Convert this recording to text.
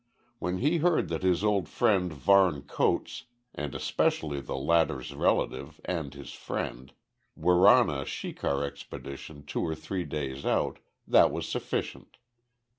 When he heard that his old friend Varne Coates and especially the latter's relative, and his friend, were on a shikar expedition two or three days out, that was sufficient.